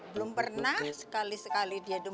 belum pernah sekali sekali dia diberi